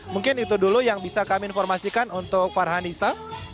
mungkin itu dulu yang bisa kami informasikan untuk farhanisa